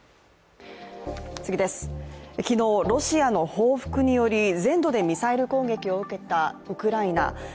昨日、ロシアの報復により全土でミサイル攻撃を受けたウクライナ。